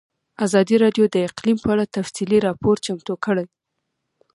ازادي راډیو د اقلیم په اړه تفصیلي راپور چمتو کړی.